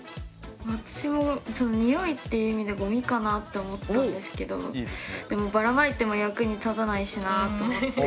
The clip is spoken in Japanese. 私も臭いっていう意味でごみかなって思ったんですけどでもばらまいても役に立たないしなと思って。